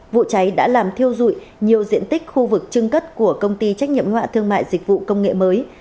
vụ cháy đã làm thiêu dụi nhiều diện tích khu vực trưng cất của công ty trách nhiệm hoạn thương mại dịch vụ công nghệ mới